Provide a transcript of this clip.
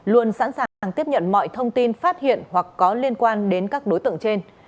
luôn sẵn sàng tiếp nhận mọi thông tin phát hiện hoặc có liên quan đến các đối tượng trên